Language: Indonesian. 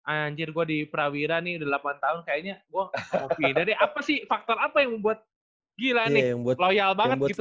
anger gue di prawira nih udah delapan tahun kayaknya gue dari apa sih faktor apa yang membuat gila nih loyal banget gitu